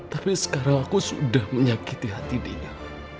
tapi sekarang aku sudah menyakiti hati dia